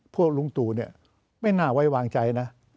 พวกลุงตู่เนี่ยไม่น่าไว้วางใจนะ